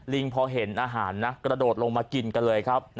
พอเห็นอาหารนะกระโดดลงมากินกันเลยครับ